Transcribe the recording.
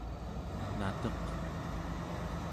nateq